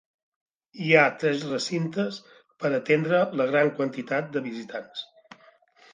Hi ha tres recintes per atendre la gran quantitat de visitants.